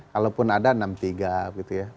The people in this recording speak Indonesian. kalaupun ada enam tiga gitu ya